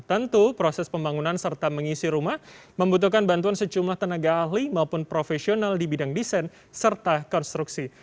tentu proses pembangunan serta mengisi rumah membutuhkan bantuan secumlah tenaga ahli maupun profesional di bidang desain serta konstruksi